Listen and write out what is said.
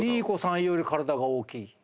Ｂ子さんより体が大きい。